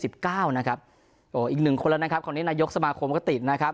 อีกหนึ่งคนละครบครบนี้นายสมาคมติด